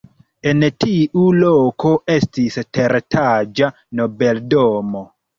En tiu loko estis teretaĝa nobeldomo.